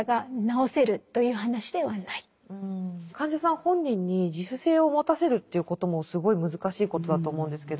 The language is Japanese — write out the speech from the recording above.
患者さん本人に自主性を持たせるということもすごい難しいことだと思うんですけど。